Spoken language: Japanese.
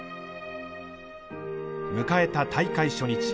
迎えた大会初日。